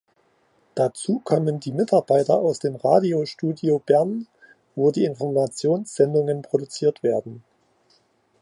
Dazu kommen die Mitarbeiter aus dem Radiostudio Bern, wo die Informationssendungen produziert werden.